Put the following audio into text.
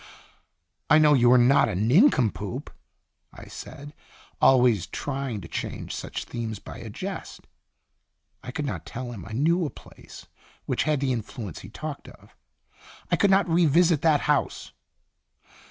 " I know you are not a nincompoop!" I said, always trying to change such themes by a jest. I could not tell him I knew a place which had the influence he talked of. I could not re visit that house.